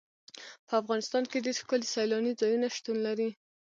په افغانستان کې ډېر ښکلي سیلاني ځایونه شتون لري.